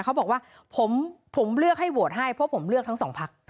เขาบอกว่าผมเลือกให้โหวตให้เพราะผมเลือกทั้งสองพัก